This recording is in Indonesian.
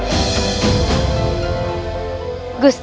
pergi ke hanbat